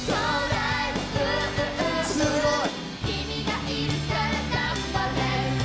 すごい！